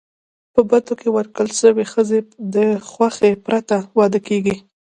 په بدو کي ورکول سوي ښځي د خوښی پرته واده کيږي.